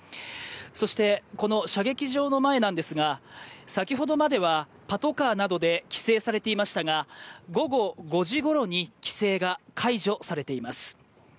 そしてこの射撃場の前なんですが先ほどまではパトカーなどで規制されていましたが午後５時ごろに規制が解除されています。